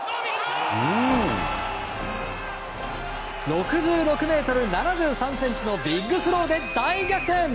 ６６ｍ７３ｃｍのビッグスローで大逆転。